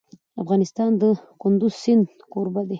افغانستان د کندز سیند کوربه دی.